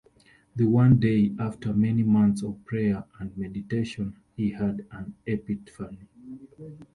Then one day, after many months of prayer and meditation he had an epiphany.